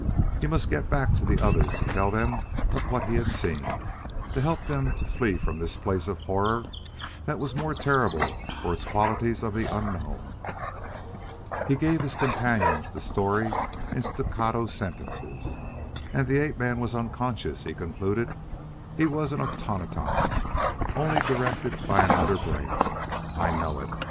He must get back to the others to tell them of what he had seen; to help them to flee from this place of horror that was more terrible for its qualities of the unknown. He gave his companions the story in staccato sentences. "And the ape man was unconscious," he concluded; "he was an automaton only, directed by another brain. I know it.